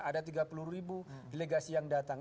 ada tiga puluh ribu delegasi yang datang